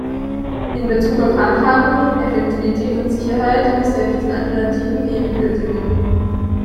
In Bezug auf Handhabung, Effektivität und Sicherheit ist er diesen Alternativen ebenbürtig.